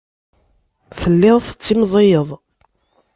Telliḍ tettimẓiyeḍ.